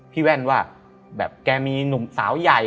พี่แว่นว่าแกมีหนุ่มสาวใหญ่